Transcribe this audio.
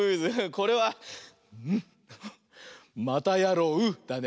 これは「またやろう」だね。